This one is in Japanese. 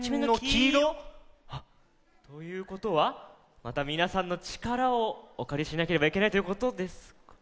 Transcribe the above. きいろ！ということはまたみなさんのちからをおかりしなければいけないということですか？